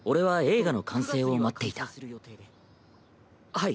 はい。